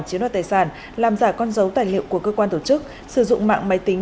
chiếm đoạt tài sản làm giả con dấu tài liệu của cơ quan tổ chức sử dụng mạng máy tính